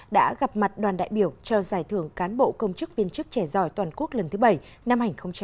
đã gặp mặt đoàn đại biểu cho giải thưởng cán bộ công chức viên chức trẻ giỏi toàn quốc lần thứ bảy năm hai nghìn hai mươi